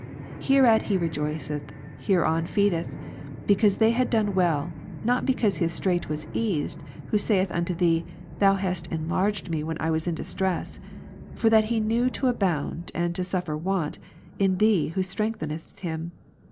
Hereat he rejoiceth, hereon feedeth ; because they had well done, not because his strait Avas eased, who saith unto Thee, Thou hast enlarged me Ps. 4, 1. ivhen I was in distress ; for that he knew to abound, and to ''^' suffer want^, in Thee JVho strengthenest him.